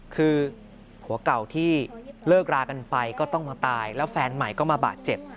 คือผัวเก่าที่เลิกรากันไปก็ต้องมาตายแล้วแฟนใหม่ก็มาบาดเจ็บ